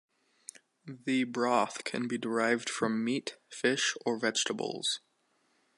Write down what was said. The broth can be derived from meat, fish, or vegetables.